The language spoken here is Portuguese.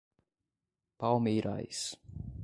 Palmeirais